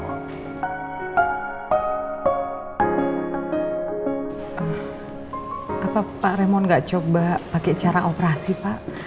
apa pak remond gak coba pakai cara operasi pak